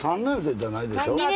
３年生じゃないでしょ？